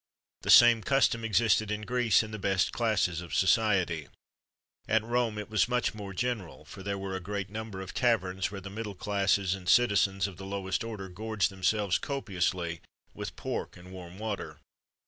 [XXV 33] The same custom existed in Greece in the best classes of society.[XXV 34] At Rome, it was much more general, for there were a great number of taverns, where the middle classes and citizens of the lowest order gorged themselves copiously with pork and warm water.